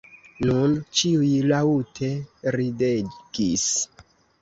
Nun ĉiuj laŭte ridegis.